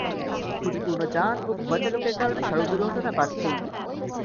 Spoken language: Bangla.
ত্রুটিপূর্ণ যান ও ভুয়া চালকের কারণে সড়ক দুর্ঘটনা বাড়ছেই।